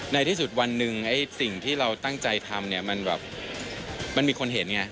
ในที่สุดวันหนึ่งไอ้สิ่งที่เราตั้งใจทำเนี่ยมันแบบมันมีคนเห็นไง